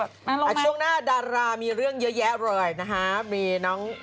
อ่ะช่วงหน้าดารามีเรื่องเยอะเลยนะครับ